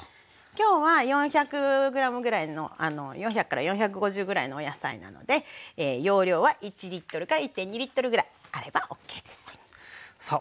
今日は４００ｇぐらいの４００４５０ぐらいのお野菜なので容量は１１．２ぐらいあればＯＫですさあ